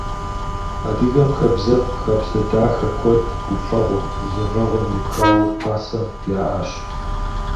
Адыгэм хабзэфӀ, хабзэ дахэ куэд гуфӀэгъуэм, гузэвэгъуэм епхауэ пасэм яӀащ.